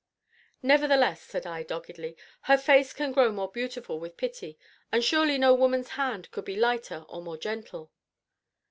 "Nevertheless," said I doggedly, "her face can grow more beautiful with pity, and surely no woman's hand could be lighter or more gentle.")